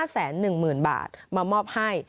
๕แสน๑หมื่นบาทมามอบให้